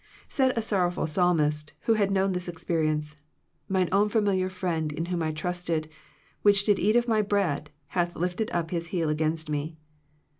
Said a sorrowful Psalmist, who had known this experience, "Mine own familiar friend in whom I trusted, which did eat of my bread, hath lifted up his heel against me."